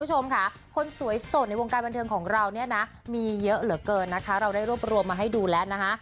คุณผู้ชมค่ะคนสวยโสดในวงการบันเทิงของเราเนี่ยนะมีเยอะเหลือเกินนะคะเราได้รวบรวมมาให้ดูแล้วนะคะ